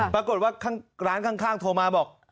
ปรากฏว่าร้านข้างโทรมาบอก